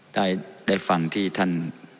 ได้ฟังที่ท่าน